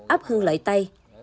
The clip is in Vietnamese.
ấp hương lợi tay